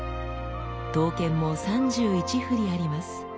刀剣も３１振りあります。